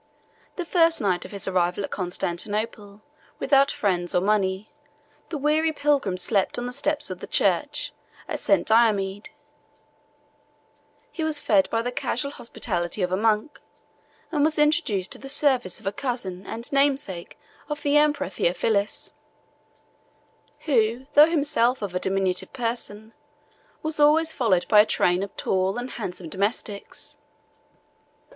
The first night of his arrival at Constantinople, without friends or money, the weary pilgrim slept on the steps of the church of St. Diomede: he was fed by the casual hospitality of a monk; and was introduced to the service of a cousin and namesake of the emperor Theophilus; who, though himself of a diminutive person, was always followed by a train of tall and handsome domestics.